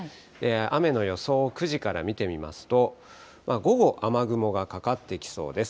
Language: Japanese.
雨の予想を９時から見てみますと、午後、雨雲がかかってきそうです。